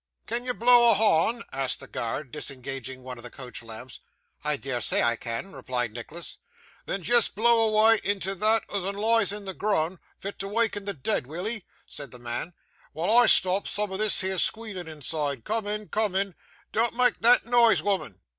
'Can you blo' a harn?' asked the guard, disengaging one of the coach lamps. 'I dare say I can,' replied Nicholas. 'Then just blo' away into that 'un as lies on the grund, fit to wakken the deead, will'ee,' said the man, 'while I stop sum o' this here squealing inside. Cumin', cumin'. Dean't make that noise, wooman.